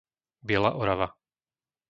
Biela Orava